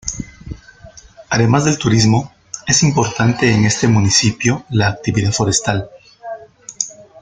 Además del turismo, es importante en este municipio la actividad forestal.